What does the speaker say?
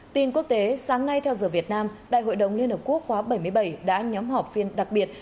tin quốc tế sáng nay theo giờ việt nam đại hội đồng liên hợp quốc khóa bảy mươi bảy đã nhóm họp phiên đặc biệt